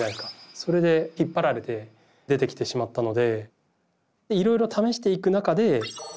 それで引っ張られて出てきてしまったので。